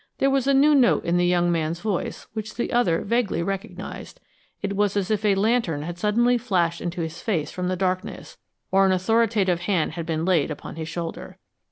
There was a new note in the young man's voice which the other vaguely recognized; it was as if a lantern had suddenly flashed into his face from the darkness, or an authoritative hand been laid upon his shoulder.